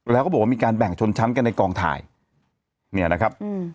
แล้วก็บอกว่ามีการแบ่งชนชั้นกันในกองถ่ายเนี่ยนะครับอืม